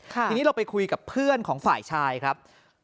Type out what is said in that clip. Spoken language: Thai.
ทีนี้เราไปคุยกับเพื่อนของฝ่ายชายครับ